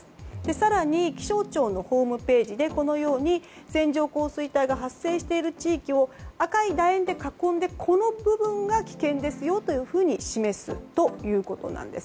更に、気象庁のホームページで線状降水帯が発生している地域を赤い楕円で囲んでこの部分が危険ですよと示すということなんです。